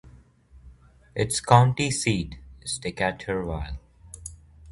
Its county seat is Decaturville.